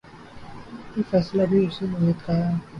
یہ فیصلہ بھی اسی نوعیت کا ہے۔